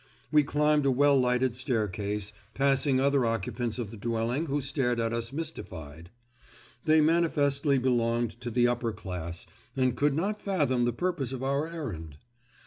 We climbed a well lighted staircase, passing other occupants of the dwelling who stared at us mystified. They manifestly belonged to the upper class and could not fathom the purpose of our errand.